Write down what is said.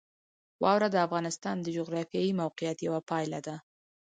واوره د افغانستان د جغرافیایي موقیعت یوه پایله ده.